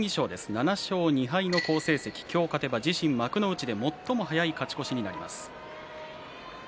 ７勝２敗の好成績今日勝てば自身幕内で最も早い勝ち越しになります。